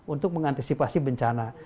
untuk mengantisipasi bencana